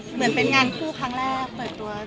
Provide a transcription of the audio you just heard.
เหมือนเป็นงานคู่ครั้งแรกเปิดตัว